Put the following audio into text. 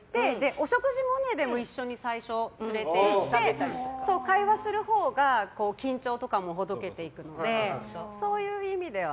お食事も一緒に最初連れて行って会話するほうが緊張とかもほどけていくのでそういう意味では。